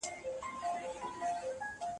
نرم او خوږ وږم په ټوله خونه کې خپور شو.